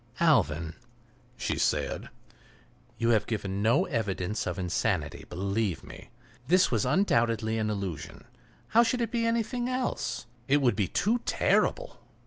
"Alvan," she said, "you have given no evidence of insanity, believe me. This was undoubtedly an illusion—how should it be anything else? That would be too terrible!